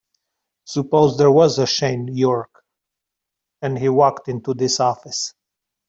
Suppose there was a Shane York and he walked into this office.